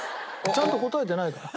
ちゃんと答えてないから。